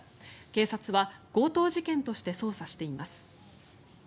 警察は強盗事件として捜査しています。